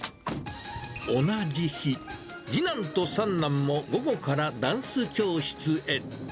同じ日、次男と三男も午後からダンス教室へ。